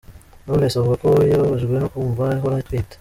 Knowless avuga ko yababajwe no kumva ahora atwite.